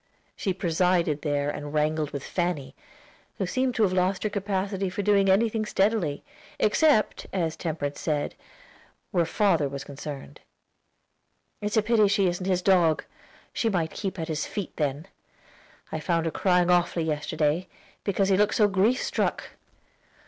She presided there and wrangled with Fanny, who seemed to have lost her capacity for doing anything steadily, except, as Temperance said, where father was concerned. "It's a pity she isn't his dog; she might keep at his feet then. I found her crying awfully yesterday, because he looked so grief struck."